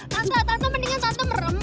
tante tante mendingan tante merem